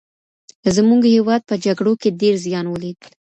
زمونږ هېواد په جګړو کي ډېر زيان وليد.